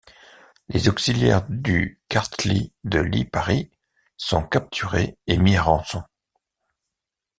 Les auxiliaires du Karthli de Liparit sont capturés et mis à rançon.